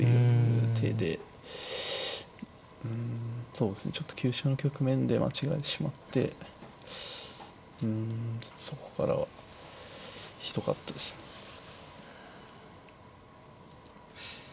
そうですねちょっと急所の局面で間違えてしまってうんそこからひどかったですね。